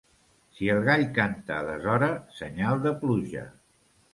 Si el gall canta a deshora senyal de pluja.